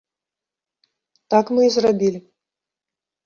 Так мы і зрабілі.